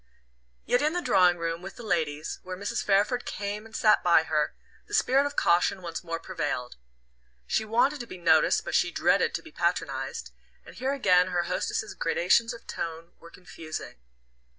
Yet in the drawing room, with the ladies, where Mrs. Fairford came and sat by her, the spirit of caution once more prevailed. She wanted to be noticed but she dreaded to be patronized, and here again her hostess's gradations of tone were confusing.